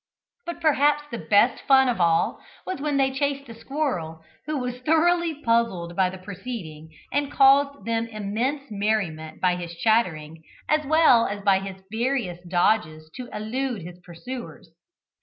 But perhaps the best fun of all was when they chased a squirrel, who was thoroughly puzzled by the proceeding, and caused them immense merriment by his chattering, as well as by his various dodges to elude his pursuers.